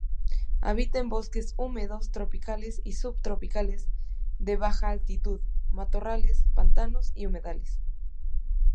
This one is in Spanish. Habita en bosques húmedos tropicales y subtropicales de baja altitud, matorrales, pantanos y humedales.